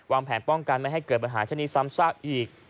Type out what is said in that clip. แผนป้องกันไม่ให้เกิดปัญหาเช่นนี้ซ้ำซากอีก